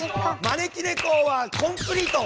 「招き猫」は「コンクリート」。